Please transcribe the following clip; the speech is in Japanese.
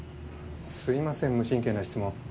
すいません無神経な質問。